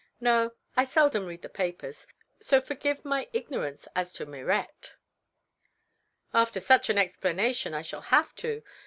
No, I seldom read the papers, so forgive my ignorance as to Mirette." "After such an explanation I shall have to.